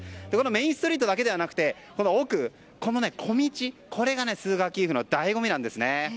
メインストリートだけではなくて奥の小道これがスークワキーフの醍醐味なんですね。